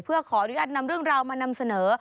เพื่อขออนุญาตนำเรื่องราวมานำเสนอ